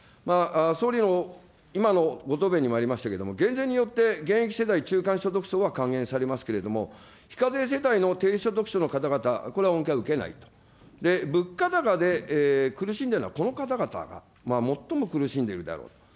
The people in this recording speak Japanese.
総理の今のご答弁にもありましたけれども、減税によって現役世代、中間層は還元されますけれども、非課税世帯の低所得者の方々、これは恩恵は受けないと、物価高で苦しんでいるのはこの方々が最も苦しんでいるであろうと。